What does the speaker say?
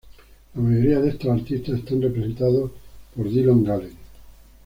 La mayoría de estos artistas están representados por Dillon Gallery.